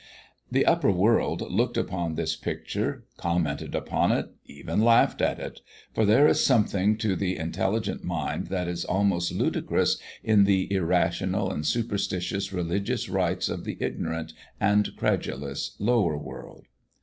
The upper world looked upon this picture, commented upon it, even laughed at it; for there is something to the intelligent mind that is almost ludicrous in the irrational and superstitious religious rites of the ignorant and credulous lower world.